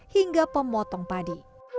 hingga pemotong padi